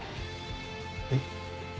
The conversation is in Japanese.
えっ？